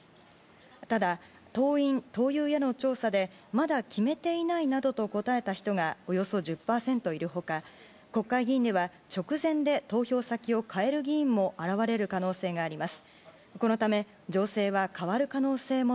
ただ、党員・党友への調査でまだ決めていないなどと答えた人が、およそ１０％いる他国会議員では直前で投票先を変える議員も現れる可能性があります。